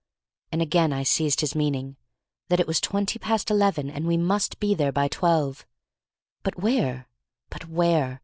And again I seized his meaning, that it was twenty past eleven, and we must be there by twelve. But where, but where?